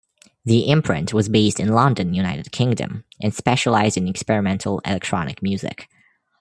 The imprint was based in London, United Kingdom and specialised in experimental electronic music.